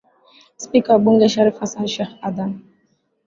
spika wa bunge sharif hassan sheikh hadan